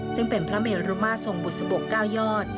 ซึ่งเป็นพระเมลุมาตรทรงบุษบกเก้ายอด